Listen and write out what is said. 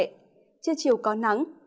trên chiều có nắng